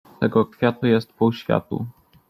Tego kwiatu jest pół światu.